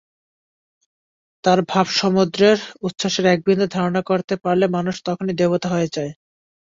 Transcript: তাঁর ভাবসমুদ্রের উচ্ছ্বাসের একবিন্দু ধারণা করতে পারলে মানুষ তখনি দেবতা হয়ে যায়।